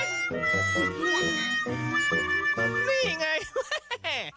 นี่ไงแม่